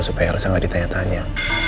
supaya elsa gak ditanya tanya